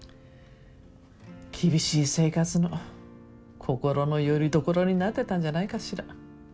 厳しい生活の心のよりどころになってたんじゃないかしら。